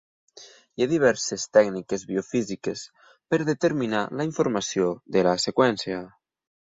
Hi ha diverses tècniques biofísiques per determinar la informació de la seqüència.